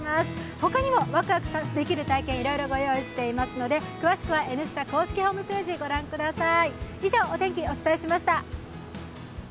ほかにもワクワクできる体験、いろいろ用意しておりますので、詳しくは「Ｎスタ」公式ホームページをご覧ください。